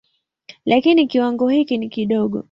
Lakini kiwango hiki ni kidogo.